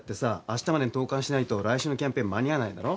あしたまでに投函しないと来週のキャンペーン間に合わないだろ。